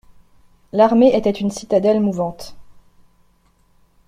L'armée était une citadelle mouvante.